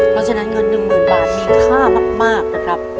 เพราะฉะนั้นเงินหนึ่งหมื่นบาทมีค่ามากนะครับ